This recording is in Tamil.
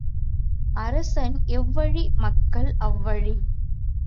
அரசன் எவ்வழி மக்கள் அவ்வழி.